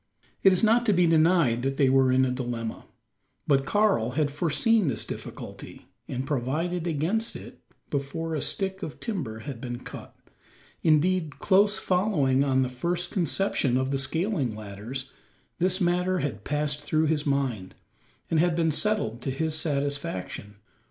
It is not to be denied that they were in a dilemma. But Karl had foreseen this difficulty, and provided against it before a stick of timber had been cut. Indeed, close following on the first conception of the scaling ladders, this matter had passed through his mind, and had been settled to his satisfaction.